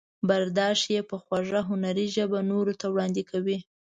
برداشت یې په خوږه هنري ژبه نورو ته وړاندې کوي.